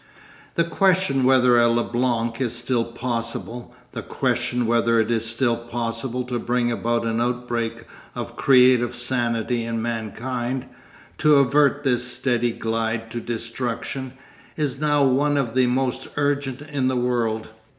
The question whether a Leblanc is still possible, the question whether it is still possible to bring about an outbreak of creative sanity in mankind, to avert this steady glide to destruction, is now one of the most urgent in the world.